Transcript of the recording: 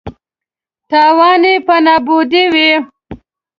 تاوان یې په نابودۍ وي.